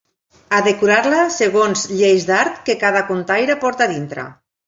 A decorar-la segons lleis d'art que cada contaire porta a dintre.